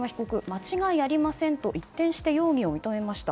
間違いありませんと一転して容疑を認めました。